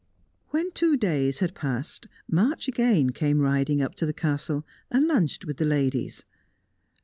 When two days had passed, March again came riding up to the Castle, and lunched with the ladies.